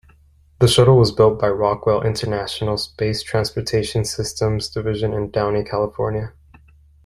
The shuttle was built by Rockwell International's Space Transportation Systems Division in Downey, California.